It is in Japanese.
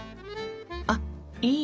あっいい。